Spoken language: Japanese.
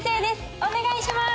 お願いします！